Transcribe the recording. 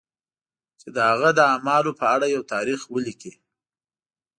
چې د هغه د اعمالو په اړه یو تاریخ ولیکي.